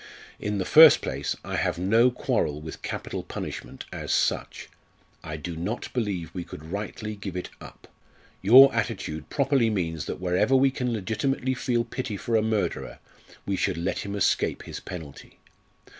In the first place, I have no quarrel with capital punishment as such. I do not believe we could rightly give it up. Your attitude properly means that wherever we can legitimately feel pity for a murderer, we should let him escape his penalty.